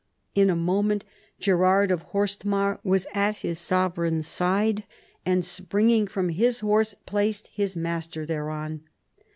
In a moment Gerard of Horstmar was at his sovereign's side, and springing from his horse, placed his master thereon.